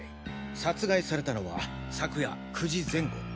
殺害されたのは昨夜９時前後。